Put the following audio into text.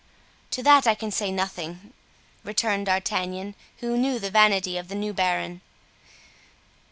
"To that I can say nothing," returned D'Artagnan, who knew the vanity of the new baron.